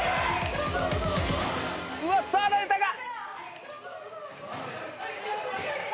うわっ触られたが。